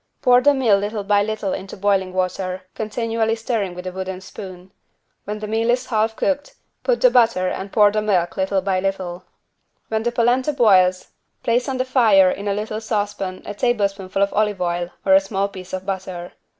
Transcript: Pour the meal little by little into boiling water, continually stirring with a wooden spoon. When the meal is half cooked, put the butter and pour the milk little by little. While the =polenta= boils, place on the fire in a little saucepan a tablespoonful of olive oil or a small piece of butter.